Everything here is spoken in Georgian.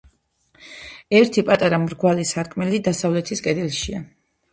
ერთი პატარა მრგვალი სარკმელი დასავლეთის კედელშია.